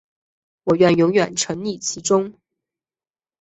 我愿永远沈溺其中